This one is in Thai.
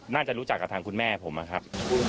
น่าจะรู้จักกับทางคุณแม่ผมนะครับ